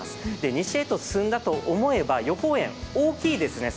西へと進んだと思えば予報円、先が大きいですね。